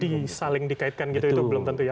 masih saling dikaitkan gitu itu belum tentu ya